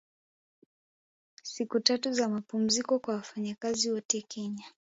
Siku tatu za mapumziko kwa wafanyakazi wote Kenya